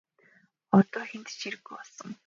Одоо тэр хэнд ч хэрэггүй болсон.